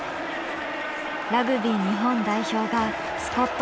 ラグビー日本代表がスコットランドを撃破。